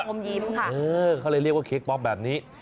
เออเขาเลยเรียกว่าเค็คป๊อปแบบนี้